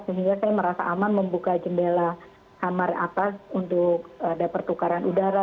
sehingga saya merasa aman membuka jendela kamar atas untuk ada pertukaran udara